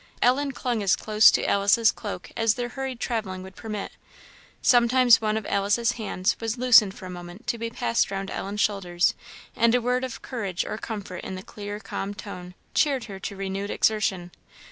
Ellen clung as close to Alice's cloak as their hurried travelling would permit; sometimes one of Alice's hands was loosened for a moment to be passed round Ellen's shoulders, and a word of courage or comfort in the clear calm tone, cheered her to renewed exertion.